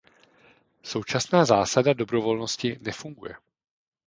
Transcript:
Současná zásada dobrovolnosti nefunguje.